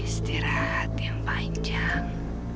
istirahat yang panjang